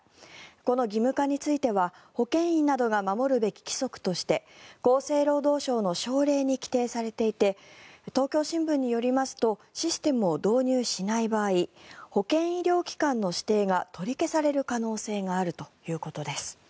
この義務化については保険医などが守るべき規則として厚生労働省の省令に規定されていて東京新聞によりますとシステムを導入しない場合保険医療機関の指定が取り消される可能性があるということです。